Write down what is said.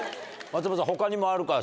松村さん他にもあるか？